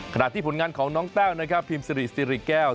ขณะที่ผลงานของน้องแต้วนะครับพิมพ์สิริสิริแก้ว